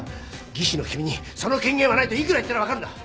技師の君にその権限はないといくら言ったら分かるんだ。